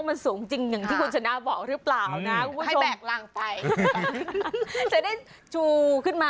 ก็มันสูงจริงอย่างที่คุณชนะบอกหรือเปล่านะคุณผู้ชม